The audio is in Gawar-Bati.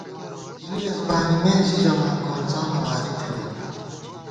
زُوئیس بانِمېن ژی ژَمان ، گونڅانہ واری تھنہ